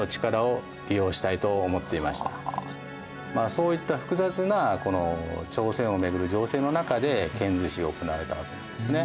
そういった複雑な朝鮮を巡る情勢の中で遣隋使が行われたわけなんですね。